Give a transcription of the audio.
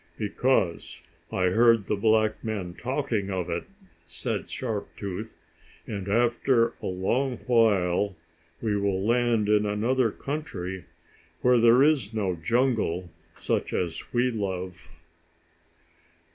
"Because I heard the black men talking of it," said Sharp Tooth. "And, after a long while, we will land in another country, where there is no jungle, such as we love."